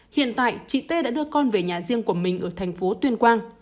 hiện tại chị t a t đã đưa con về nhà riêng của mình ở thành phố tuyên quang